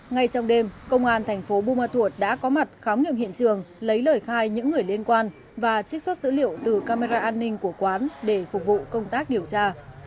ngay trong đêm công an thành phố bùa ma thuột đã có mặt khám nghiệm hiện trường lấy lời khai những người liên quan và trích xuất dữ liệu từ camera an ninh của quán để phục vụ công tác điều tra